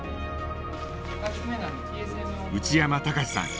内山崇さん。